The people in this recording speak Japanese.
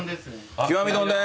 極み丼です。